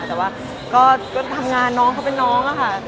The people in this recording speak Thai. แต่ว่าก็ทำงานน้องเขาเป็นน้องอะค่ะ